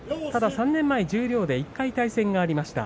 ３年前、十両で１回対戦がありました。